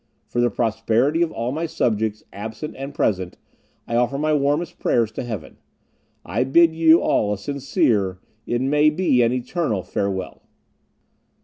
For the prosperity of all my subjects, absent and present, I offer my warmest prayers to Heaven. I bid you all a sincere it may be an eternal farewell."